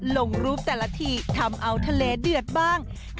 ลงรูปแต่ละทีทำเอาทะเลเดือดบ้าง